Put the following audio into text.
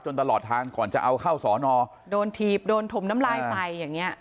ตลอดทางก่อนจะเอาเข้าสอนอโดนถีบโดนถมน้ำลายใส่อย่างเงี้